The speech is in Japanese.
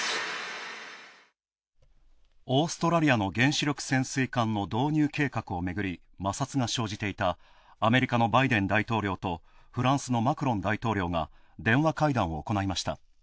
オーストラリアの原子力潜水艦の導入計画をめぐり、摩擦が生じていたアメリカのバイデン大統領とフランスのマクロン大統領が電話会談を行いました。